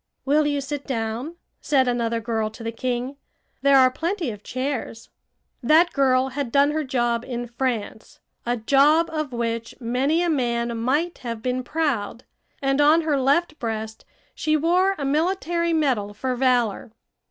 "Will you sit down?" said another girl to the king. "There are plenty of chairs." That girl had done her job in France a job of which many a man might have been proud and on her left breast she wore a military medal for valor.